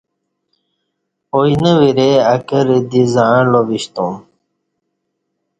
آیینہ ورے اکرہ دی زعݩلہ وشتو م